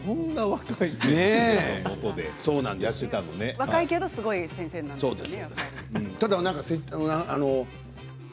若いけどすごい先生なんです。